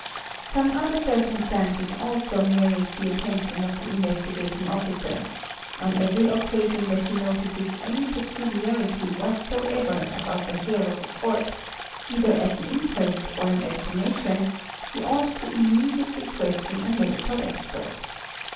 Some other circumstances also merit the attention of the Investigating Officer; on every occasion that he notices any peculiarity whatsoever about the hair of a corpse, either at an inquest or an exhumation, he ought to immediately question a medical expert.